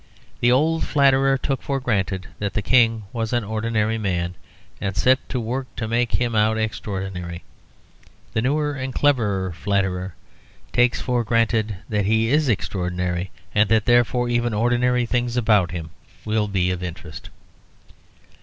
The old flatterer took for granted that the King was an ordinary man, and set to work to make him out extraordinary. The newer and cleverer flatterer takes for granted that he is extraordinary, and that therefore even ordinary things about him will be of interest.